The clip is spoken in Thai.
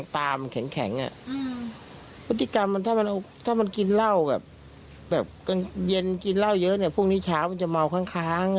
ถ้ามันกินเหล้าเยอะเนี่ยพรุ่งนี้เช้ามันจะเมาครั้งค้าง